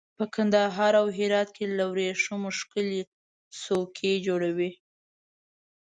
په کندهار او هرات کې له وریښمو ښکلي سکوي جوړوي.